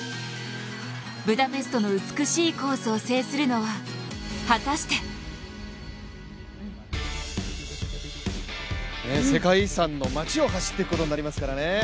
ブダペストの美しいコースを制するのは、果たして世界遺産の街を走っていくことになりますからね。